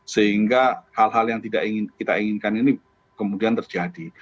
sehingga hal hal yang tidak kita inginkan ini kemudian terjadi